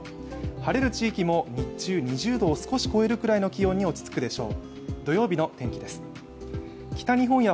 晴れる地域も日中２０度を少し超えるぐらいの気温に落ち着くでしょう。